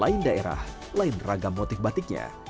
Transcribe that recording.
lain daerah lain ragam motif batiknya